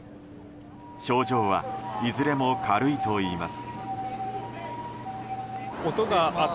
症状はいずれも軽いといいます。